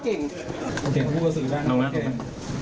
ถูกบังคับอะไรไหมครับเก่ง